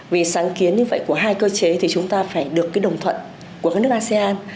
vì sáng kiến như vậy của hai cơ chế thì chúng ta phải được cái đồng thuận của các nước asean